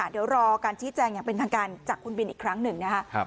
เดี๋ยวรอการชี้แจงอย่างเป็นทางการจากคุณบินอีกครั้งหนึ่งนะครับ